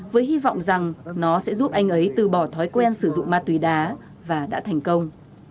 với hy vọng rằng nó sẽ giúp anh ấy từ bỏ thói quen sử dụng ma túy đá và đã thành công